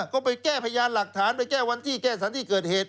ก็ไปแก้พยานหลักฐานไปแก้วันที่แก้สรรที่เกิดเหตุ